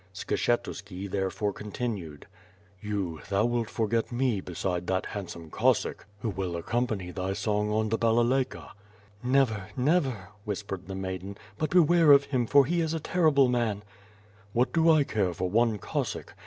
Skshetuski therefore continued: "You, thou wilt forget me beside that handsome Cossack who will accompany thy song on the balabayka." "Never, never,^' whispered the maiden, but beware of him, for he is a terrible man/' "\VTiat do I care for one Cossack!